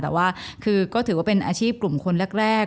แต่ว่าคือก็ถือว่าเป็นอาชีพกลุ่มคนแรก